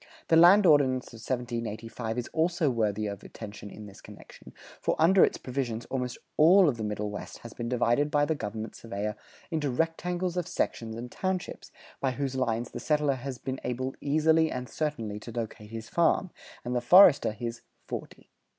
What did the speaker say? The Land Ordinance of 1785 is also worthy of attention in this connection, for under its provisions almost all of the Middle West has been divided by the government surveyor into rectangles of sections and townships, by whose lines the settler has been able easily and certainly to locate his farm, and the forester his "forty."